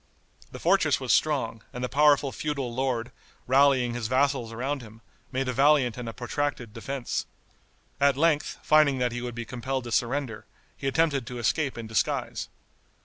The fortress was strong, and the powerful feudal lord, rallying his vassals around him, made a valiant and a protracted defense. At length, finding that he would be compelled to surrender, he attempted to escape in disguise.